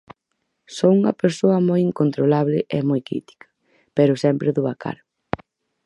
Son unha persoa moi incontrolable e moi crítica, pero sempre dou a cara.